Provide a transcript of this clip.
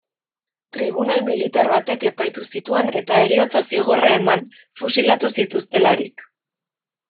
Tribunal militar batek epaitu zituen eta heriotza-zigorra eman, fusilatu zituztelarik.